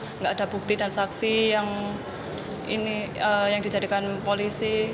tidak ada bukti dan saksi yang dijadikan polisi